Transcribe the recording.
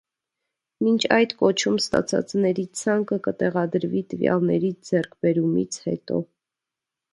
Մինչ այդ կոչում ստացածների ցանկը կտեղադրվի տվյալների ձեռքբերումից հետո։